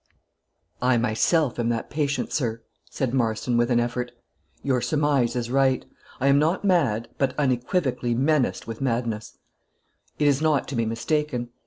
"I, myself, am that patient, sir," said Marston, with an effort; "your surmise is right. I am not mad, but unequivocally menaced with madness; it is not to be mistaken.